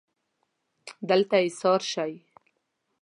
دلته ایسار شئ